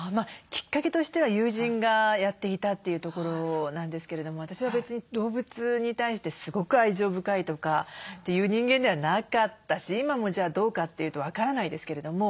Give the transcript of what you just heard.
きっかけとしては友人がやっていたというところなんですけれども私は別に動物に対してすごく愛情深いとかっていう人間ではなかったし今もじゃあどうかっていうと分からないですけれども。